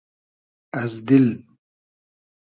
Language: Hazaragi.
از دیل